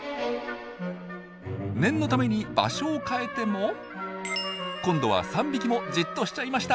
念のために場所を変えても今度は３匹もじっとしちゃいました！